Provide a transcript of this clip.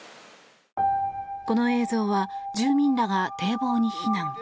この映像は住民らが堤防に避難。